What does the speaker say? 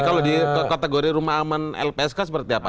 kalau di kategori rumah aman lpsk seperti apa